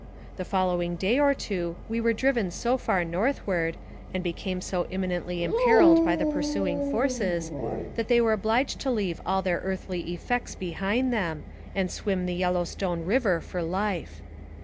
The following day or two we were driven so far northward, and became so imminently imperiled by the pursuing forces, that they were obliged to leave all their earthly effects behind them, and swim the Yellow Stone River for life.